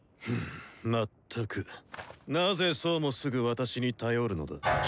フッ全くなぜそうもすぐ私に頼るのだ。